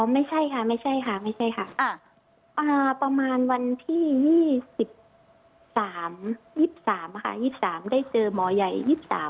ไม่ใช่ค่ะประมาณวันที่๒๓ได้เจอหมอใหญ่๒๓